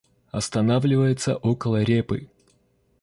Останавливается около репы.